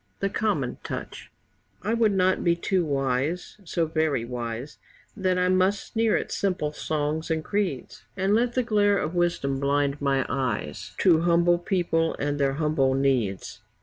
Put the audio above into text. THE COMMON TOUCH I would not be too wise so very wise That I must sneer at simple songs and creeds, And let the glare of wisdom blind my eyes To humble people and their humble needs.